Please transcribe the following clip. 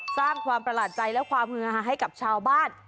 สร้างความประหลาดใจและความมือหาให้กับชาวบ้าน